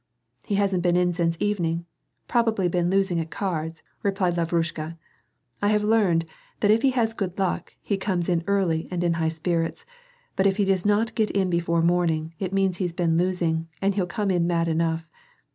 " He hasn't been in since evening. Probably been losing at cards," replied Lavrushka. "I have learned that if he has good luck, he comes in early and in high spirits, but if he does not got in before morning, it means he's been losing, and he'll come in mad enough.